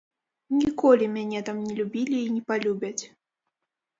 Ніколі мяне там не любілі і не палюбяць.